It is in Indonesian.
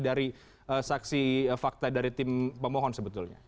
dari saksi fakta dari tim pemohon sebetulnya